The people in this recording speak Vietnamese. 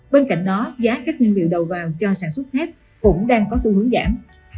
bên cạnh đó giá các nguyên liệu đầu vào cho sản xuất thép cũng đang có xu hướng giảm